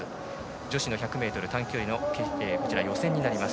女子の１００ｍ短距離の予選になります。